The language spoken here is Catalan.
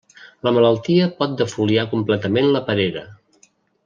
La malaltia pot defoliar completament la perera.